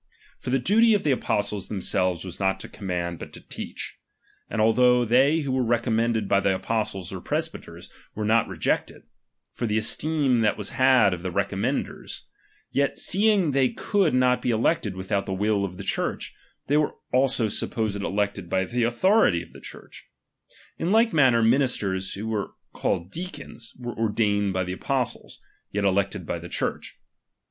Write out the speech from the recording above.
For the doty of ihe apostles themselves was not to command, but to teach. And althonsh they who were recommeuded "by the apostles or presbyters, were not rejected, for the esteem that was had of the recommendere ; yet seeing they could not be elected without the srs// of the Church, they were also supposed elected by the autkorilg of the Church, In like manner xninisters, who are called deacons, were ordatKed by the apostles ; yet elected by the Church.